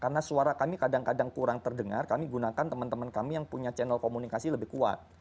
karena suara kami kadang kadang kurang terdengar kami gunakan teman teman kami yang punya channel komunikasi lebih kuat